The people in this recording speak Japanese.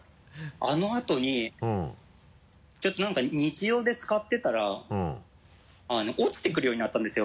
あのあとにちょっと何か日常で使ってたら落ちてくるようになったんですよ